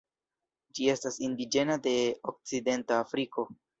Ĝi estas indiĝena de Okcidenta Afriko.